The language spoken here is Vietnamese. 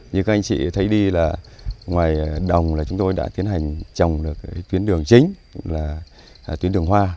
như các anh chị thấy đi là ngoài đồng là chúng tôi đã tiến hành trồng được tuyến đường chính là tuyến đường hoa